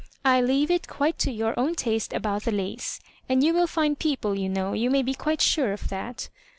I leave it quite to your own taste about the lace. And you will find people you know, you may be quite sure of that.